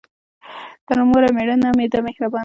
ـ تر موره مېره ،نه ده مهربانه.